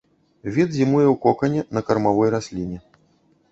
Від зімуе ў кокане на кармавой расліне.